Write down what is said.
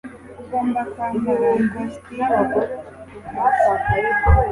Ugomba kwambara ikositimu kukazi?